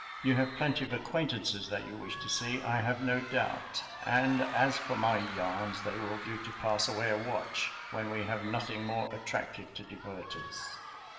You have plenty of acquaintances that you wish to see, I have no doubt; and as for my yarns, they will do to pass away a watch, when we have nothing more attractive to divert us."